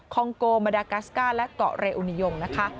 คองโกมดากัสกาและเกาะเรอูนิโยง